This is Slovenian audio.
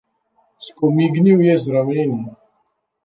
Skomignil je z rameni.